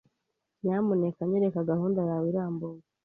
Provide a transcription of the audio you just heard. Nyamuneka nyereka gahunda yawe irambuye.